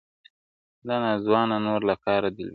دا ناځوانه نور له كاره دى لوېــدلى.